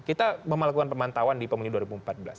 kita melakukan pemantauan di pemilu dua ribu empat belas